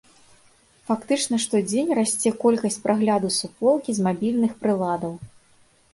Фактычна штодзень расце колькасць прагляду суполкі з мабільных прыладаў.